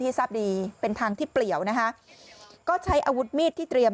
ทราบดีเป็นทางที่เปลี่ยวนะคะก็ใช้อาวุธมีดที่เตรียม